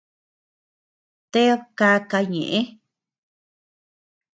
Ted káka ñeʼë.